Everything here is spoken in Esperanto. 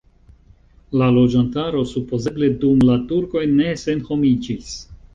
La loĝantaro supozeble dum la turkoj ne senhomiĝis.